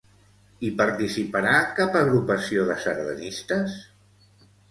Hi participarà cap agrupació de sardanistes?